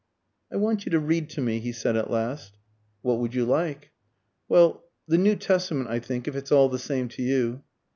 "I want you to read to me," he said at last. "What would you like?" "Well the New Testament, I think, if it's all the same to you."